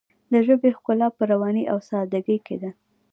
د ژبې ښکلا په روانۍ او ساده ګۍ کې ده.